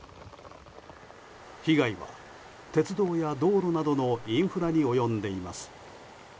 被害は鉄道や道路などのインフラに及んでいます。